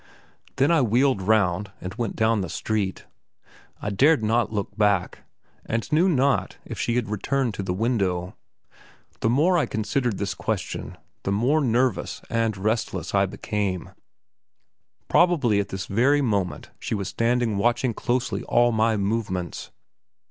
Then I wheeled round and went down the street. I dared not look back, and knew not if she had returned to the window. The more I considered this question the more nervous and restless I became. Probably at this very moment she was standing watching closely all my movements.